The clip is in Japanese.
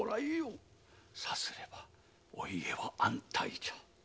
さすればお家は安泰じゃ。